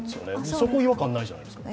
そこ違和感ないじゃないですか。